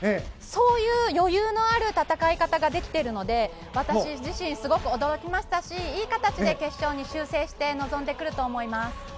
そういう余裕のある戦い方ができているので私自身すごく驚きましたしいい形で決勝に修正して臨んでくると思います。